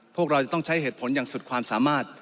พวกเราจะต้องใช้เหตุผลอย่างสุดความสามารถ